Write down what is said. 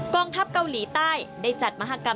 ทัพเกาหลีใต้ได้จัดมหากรรม